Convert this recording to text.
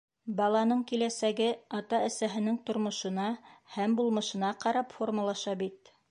Баланың киләсәге ата-әсәһенең тормошона һәм булмышына ҡарап формалаша бит.